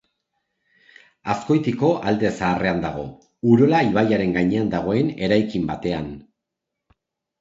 Azkoitiko Alde Zaharrean dago, Urola ibaiaren gainean dagoen eraikin batean.